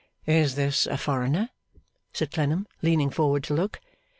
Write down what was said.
'Is this a foreigner?' said Clennam, leaning forward to look.